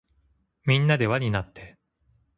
みんなでわになって